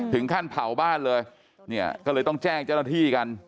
ถึงขั้นเผาบ้านเลยเนี่ยก็เลยต้องแจ้งเจ้าหน้าที่กัน